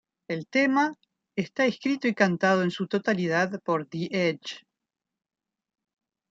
El tema está escrito y cantado en su totalidad por The Edge.